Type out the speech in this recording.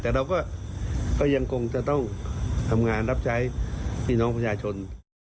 แต่เราก็ยังคงจะต้องทำงานรับใช้พี่น้องประชาชน